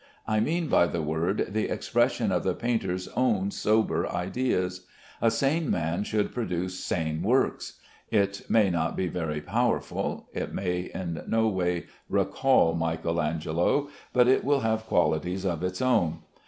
I mean by the word, the expression of the painter's own sober ideas. A sane man should produce sane work. It may not be very powerful, it may in no way recall Michael Angelo, but it will have qualities of its own.